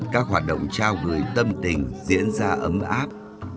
các hoạt động trao gửi tâm tình diễn ra ấm áp